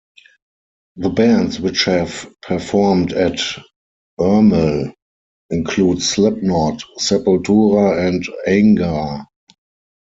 The bands which have performed at Ermal include Slipknot, Sepultura and Angra.